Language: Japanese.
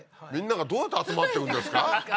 みんながどうやって集まってくんですか？